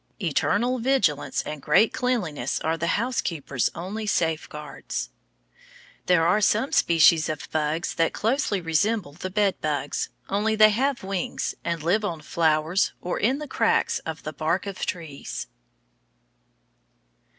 Eternal vigilance and great cleanliness are the housekeeper's only safeguards. There are some species of bugs that closely resemble the bed bugs, only they have wings, and live on flowers or in the cracks of the bark of trees.